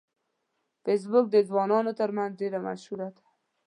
فېسبوک د ځوانانو ترمنځ ډیره مشهوره ده